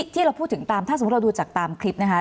ที่เราพูดถึงตามถ้าสมมุติเราดูจากตามคลิปนะคะ